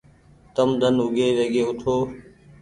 تم ۮن اوگي ويگي اوٺو۔